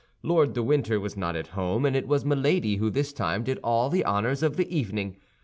Lord de Winter was not at home; and it was Milady who this time did all the honors of the evening.